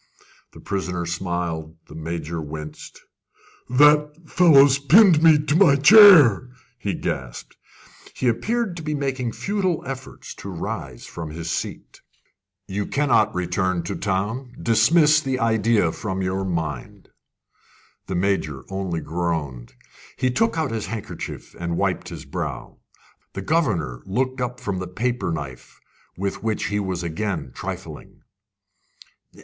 The prisoner smiled. The Major winced. "That that fellow's pinned me to my chair," he gasped. He appeared to be making futile efforts to rise from his seat. "You cannot return to town. Dismiss the idea from your mind." The Major only groaned. He took out his handkerchief and wiped his brow. The governor looked up from the paper knife with which he was again trifling.